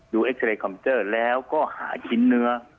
เอ็กซาเรย์คอมเจอร์แล้วก็หาชิ้นเนื้อ